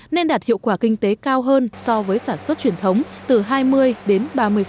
nên đạt hiệu quả kinh tế cao hơn so với sản xuất truyền thống từ hai mươi đến ba mươi